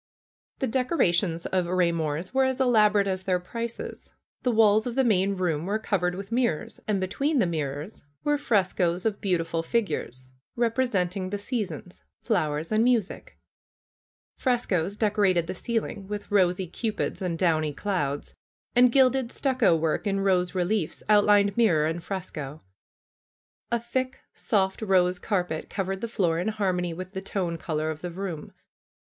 The decorations of Eaymor's were as elaborate as their prices. The walls of the main room were covered with mirrors, and between the mirrors were frescoes of beautiful figures, representing the seasons, fiowers and music. Frescoes decorated the ceiling with rosy Cupids and downy clouds. And gilded stucco work in rose reliefs outlined mirror and fresco. A thick, soft rose carpet covered the fioor in harmony with the tone color of the room.